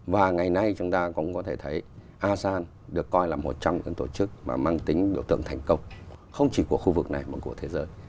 và ngày nay chúng ta cũng có thể thấy asean được coi là một trong những tổ chức mà mang tính biểu tượng thành công không chỉ của khu vực này mà của thế giới